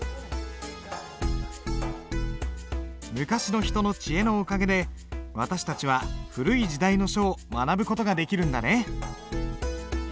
昔の人の知恵のおかげで私たちは古い時代の書を学ぶ事ができるんだね。